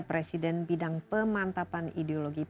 presiden bidang pemantapan ideologi